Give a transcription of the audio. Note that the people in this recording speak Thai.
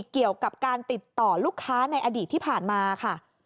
เกี่ยวกับการติดต่อลูกค้าในอดีตที่ผ่านมาค่ะ